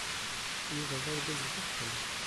Yuba d argaz icebḥen.